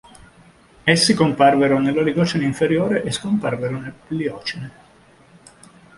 Essi comparvero nell'Oligocene inferiore e scomparvero nel Pliocene.